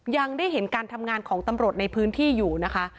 ยังได้เห็นการทำงานของตำรวจในพื้นที่อยู่นะคะ